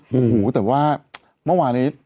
โอ้โหแต่ว่าเมื่อวานี้